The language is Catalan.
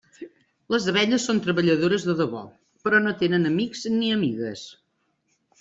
Les abelles són treballadores de debò, però no tenen amics ni amigues.